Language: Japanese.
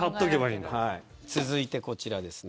続いて、こちらです。